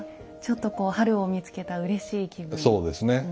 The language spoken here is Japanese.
ちょっとこう春を見つけたうれしい気分をね。